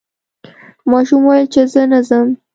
ماشوم وویل چې زه نه ځم.